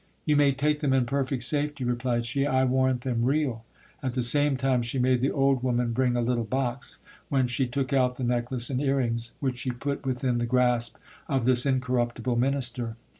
You may take them in perfect safety, replied she : I warrant them real. At the same time she made the old woman bring a little box, whence she took out the necklace and ear rings, which she put within the grasp of this incorruptible minister.